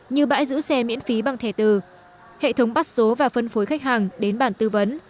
như bãi giữ xe miễn phí bằng thẻ từ hệ thống bắt số và phân phối khách hàng đến bản tư vấn